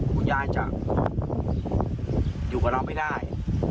คุณยายจะอยู่กับเราไม่ได้